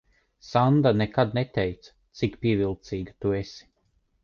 Sanda nekad neteica, cik pievilcīga tu esi.